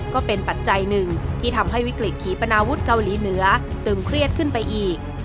ปัจจัยหนึ่งที่ทำให้วิกฤตขีปนาวุฒิเกาหลีเหนือตึงเครียดขึ้นไปอีก